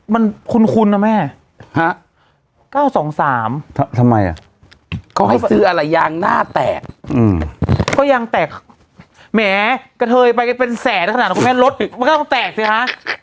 มันคุ้นนะแม่๙๒๓ทำไมอ่ะเขาให้ซื้ออะไรยางหน้าแตกก็ยังแตกแหมกระเทยไปกันเป็นแสนขนาดคุณแม่รถมันก็ต้องแตกสิฮะ